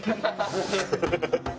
ハハハハ！